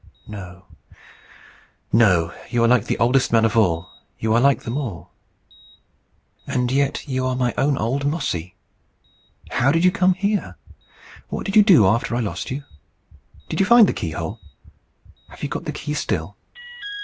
No, no. You are like the oldest man of all. You are like them all. And yet you are my own old Mossy! How did you come here? What did you do after I lost you? Did you find the key hole? Have you got the key still?"